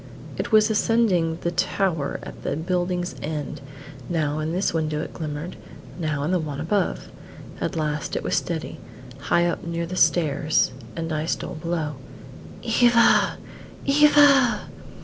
It was ascending the tower at the building's end; now in this window it glimmered, now in the one above. At last it was steady, high up near the stars, and I stole below. "Eva! Eva!"